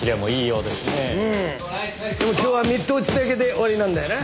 けど今日はミット打ちだけで終わりなんだよな。